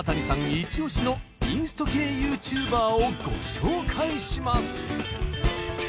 イチ押しのインスト系ＹｏｕＴｕｂｅｒをご紹介します。